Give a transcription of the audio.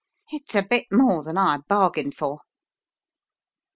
"It's a bit more than I bargained for."